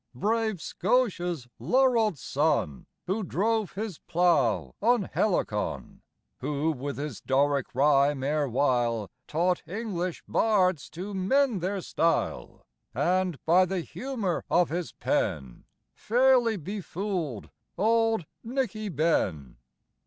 brave Scotia's laurel'd son Who drove his plough on Helicon Who with his Doric rhyme erewhile Taught English bards to mend their style And by the humour of his pen Fairly befool'd auld Nickie ben